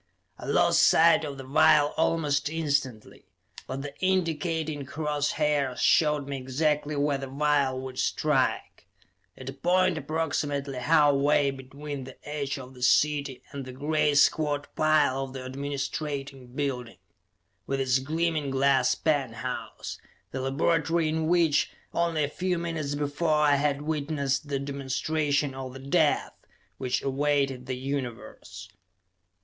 I lost sight of the vial almost instantly, but the indicating cross hairs showed me exactly where the vial would strike; at a point approximately half way between the edge of the city and the great squat pile of the administrating building, with its gleaming glass penthouse the laboratory in which, only a few minutes before, I had witnessed the demonstration of the death which awaited the Universe.